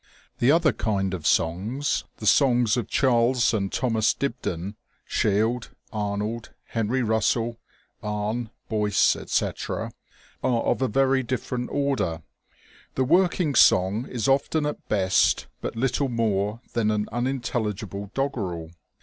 The other kind of songs — the songs of Charles and Thomas Dibdin, Shield, Arnold, Henry Eussell, Ame, Boyce, etc., are of a very different order. The working song is often at best but little more than unintelligible doggerel.